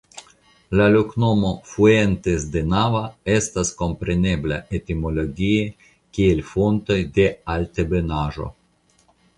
La loknomo "Fuentes de Nava" estas komprenebla etimologie kiel Fontoj de Altebenaĵo.